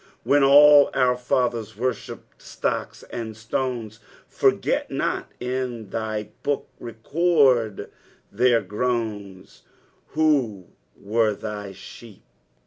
When all onr fsthers worabipiicd stocks ind stones, Foncet DOt: in thy book rcL ord ihelr groans Who were thy sheep."